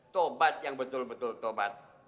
tobat yang betul betul tobat